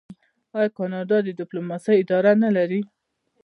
آیا کاناډا د ډیپلوماسۍ اداره نلري؟